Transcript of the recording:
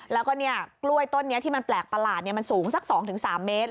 แล้วก็กล้วยต้นนี้ที่มันแปลกประหลาดมันสูงสัก๒๓เมตร